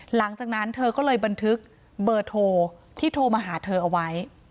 หลังจากนั้นเธอก็เลยบันทึกเบอร์โทรที่โทรมาหาเธอเอาไว้